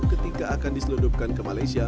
ketika akan diseludupkan ke malaysia